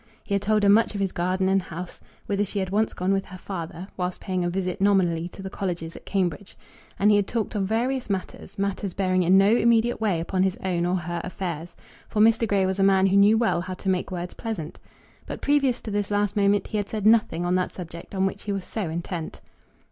He had told her much of his garden and house, whither she had once gone with her father, whilst paying a visit nominally to the colleges at Cambridge. And he had talked of various matters, matters bearing in no immediate way upon his own or her affairs; for Mr. Grey was a man who knew well how to make words pleasant; but previous to this last moment he had said nothing on that subject on which he was so intent.